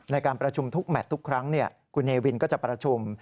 ในการประชุมทุกแมททุกครั้งคุณเนวินก็จะประชุม